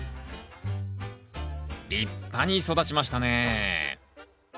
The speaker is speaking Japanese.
立派に育ちましたね